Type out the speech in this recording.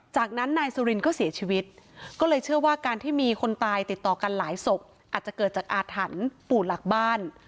จากนั้นนายสุรินก็เสียชีวิตก็เลยเชื่อว่าการที่มีคนตายติดต่อกันหลายศพอาจจะเกิดจากอาถรรพ์ปู่หลักบ้าน